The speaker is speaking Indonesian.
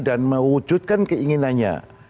dan mewujudkan keinginannya